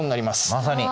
まさに！